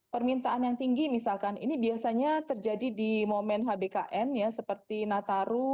permintaan yang tinggi misalkan ini biasanya terjadi di momen hbkn ya seperti nataru